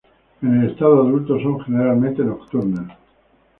En el estado adulto son generalmente nocturnas.